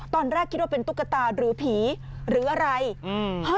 ตอนแรกคิดว่าเป็นตุ๊กตาหรือผีหรืออะไรอืม